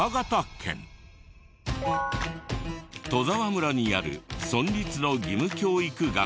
戸沢村にある村立の義務教育学校。